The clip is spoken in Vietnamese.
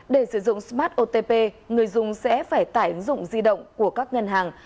để sử dụng smart otp người dùng sẽ phải tải ứng dụng di động của các ngân hàng